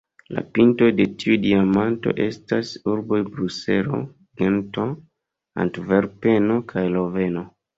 La pintoj de tiu diamanto estas la urboj Bruselo, Gento, Antverpeno kaj Loveno.